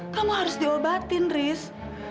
kamu harus diobatin ris